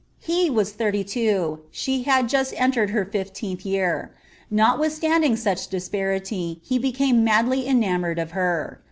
He was ihirty lwo; she had jual enterrd htr fifieenlh year ; notwithstanding which disparity, he become niDdlv em* nioured of her.